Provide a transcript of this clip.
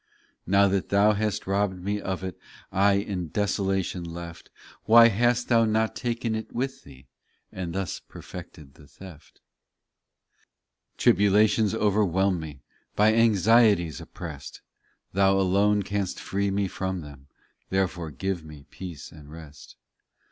Now that Thou hast robbed me of it I in desolation left Why hast Thou not taken it with Thee And thus perfected the theft ? 10 Tribulations overwhelm me By anxieties oppressed ; Thou alone canst free me from them, Therefore give me peace and rest.